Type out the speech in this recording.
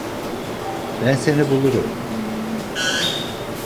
Ben seni bulurum.